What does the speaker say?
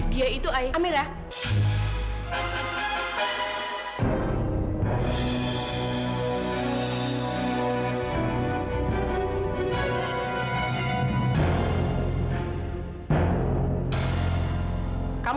dia itu ai amira